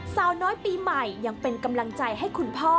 สาวน้อยปีใหม่ยังเป็นกำลังใจให้คุณพ่อ